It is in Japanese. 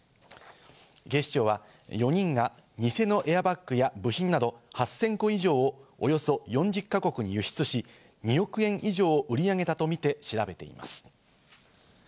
警視庁は４人が偽のエアバッグや盗品など８０００個以上をおよそ４０か国に輸出し、２億円以上を売り上げたとみて調べています。